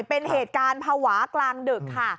เป็นเหตุการณ์ภาวะกลางดึกค่ะ